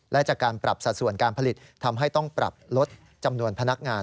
และจากการปรับสัดส่วนการผลิตทำให้ต้องปรับลดจำนวนพนักงาน